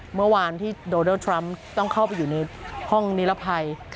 เมื่อวานที่โดนัลดทรัมป์ต้องเข้าไปอยู่ในห้องนิรภัย